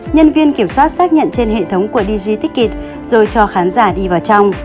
nhân viên kiểm soát xác nhận trên hệ thống của dg ticket rồi cho khán giả đi vào trong